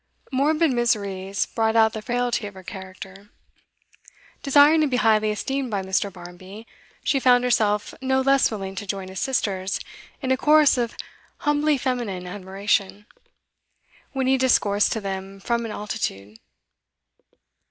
Morbid miseries brought out the frailty of her character. Desiring to be highly esteemed by Mr. Barmby, she found herself no less willing to join his sisters in a chorus of humbly feminine admiration, when he discoursed to them from an altitude.